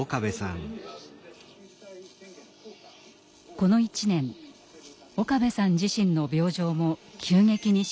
この１年岡部さん自身の病状も急激に進行していました。